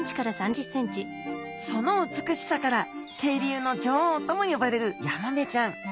その美しさから渓流の女王とも呼ばれるヤマメちゃん。